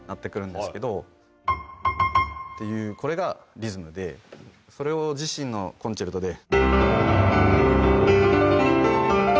っていうこれがリズムでそれを自身のコンチェルトで。